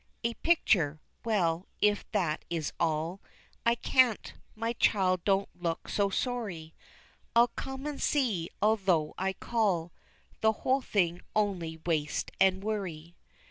A picture well, if that is all, I can't my child don't look so sorry, I'll come and see, although I call The whole thing only waste and worry.